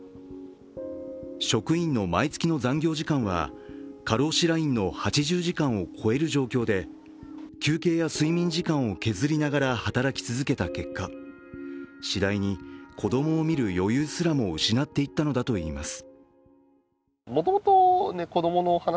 職員の毎月の残業時間は過労死ラインの８０時間を超える状況で休憩や睡眠時間を削りながら働き続けた結果、次第に子供を見る余裕すらも失っていったのだといいます。